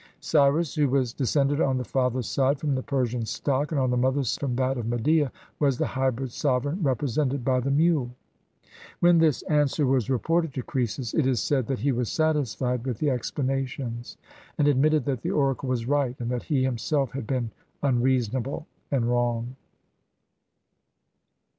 Cyrus, who was descended, on the father's side, from the Persian stock, and on the mother's from that of Media, was the hybrid sovereign represented by the mule. When this answer was reported to Croesus, it is said that he was satisfied with the explanations, and ad mitted that the oracle was right, and that he himself had been unreasonable and wrong.